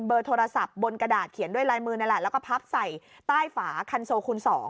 เบอร์โทรศัพท์บนกระดาษเขียนด้วยลายมือแล้วก็พับใส่ใต้ฝาคันโซคูล๒